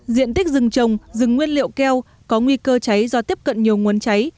diện tích rừng trồng rừng nguyên liệu keo có nguy cơ cháy do tiếp cận nhiều nguồn cháy